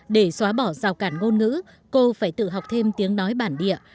để xóa bỏ rào cản ngôn ngữ cô phải tự học thêm tiếng nói bản địa